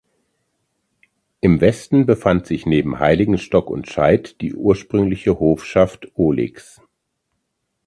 Im Westen befand sich neben Heiligenstock und Scheid die ursprüngliche Hofschaft Ohligs.